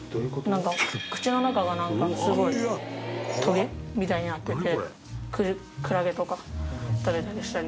なんか口の中がすごいトゲみたいになっててクラゲとか食べたりしたり。